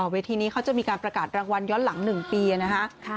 เวทีนี้เขาจะมีการประกาศรางวัลย้อนหลัง๑ปีนะคะ